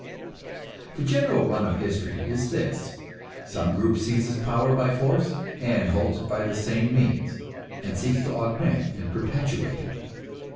The general run of history is this: some group seizes power by force, and holds it by the same means, and seeks to augment and perpetuate it.